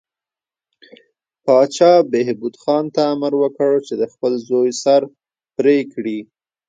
پاچا بهبود خان ته امر وکړ چې د خپل زوی سر پرې کړي.